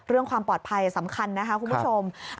เรื่องความปลอดภัยสำคัญนะคะคุณผู้ชม